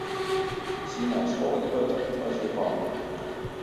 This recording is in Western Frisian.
Sina is folle grutter as Japan.